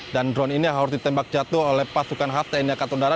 dan drone ini harus ditembak jatuh oleh pasukan khas tni angkatan udara